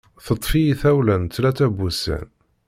Teṭṭef-iyi tawla n tlata n wussan.